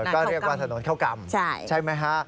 ก็เรียกว่าถนนเข้ากรรมใช่ไหมฮะ